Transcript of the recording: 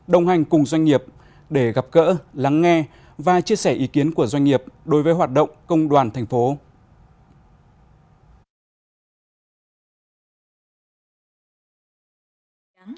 đồng hành cùng doanh nghiệp để gặp gỡ lắng nghe và chia sẻ ý kiến của doanh nghiệp đối với hoạt động công đoàn thành phố